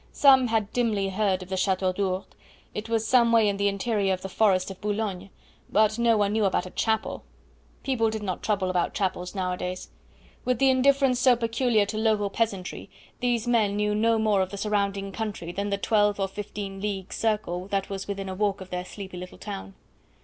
Some had dimly heard of the Chateau d'Ourde; it was some way in the interior of the forest of Boulogne, but no one knew about a chapel; people did not trouble about chapels nowadays. With the indifference so peculiar to local peasantry, these men knew no more of the surrounding country than the twelve or fifteen league circle that was within a walk of their sleepy little town.